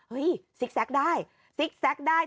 เฮ้ยซิกแซกได้ซิกแซกได้